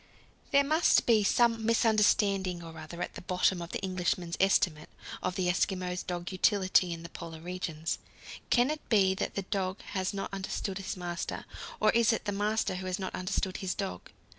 There must be some misunderstanding or other at the bottom of the Englishmen's estimate of the Eskimo dog's utility in the Polar regions. Can it be that the dog has not understood his master? Or is it the master who has not understood his dog?